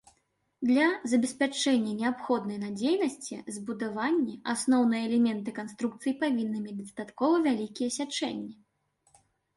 Для забеспячэння неабходнай надзейнасці збудаванні асноўныя элементы канструкцый павінны мець дастаткова вялікія сячэнні.